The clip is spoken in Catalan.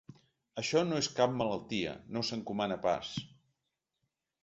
Això no és cap malaltia, no s’encomana pas.